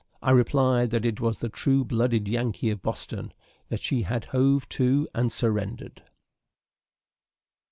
I replied, that it was the True blooded Yankee of Boston that she had hove to and surrendered.